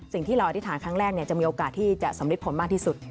สิ่งที่เราอธิษฐานครั้งแรกจะมีโอกาสที่จะสำริดผลมากที่สุด